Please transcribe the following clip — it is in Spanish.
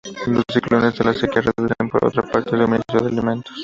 Los ciclones y la sequía reducen por otra parte el suministro de alimentos.